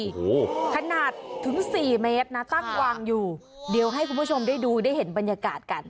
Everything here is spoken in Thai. โอ้โหขนาดถึงสี่เมตรนะตั้งวางอยู่เดี๋ยวให้คุณผู้ชมได้ดูได้เห็นบรรยากาศกัน